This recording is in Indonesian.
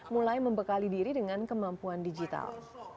mulai membekali diri dengan kemampuan digital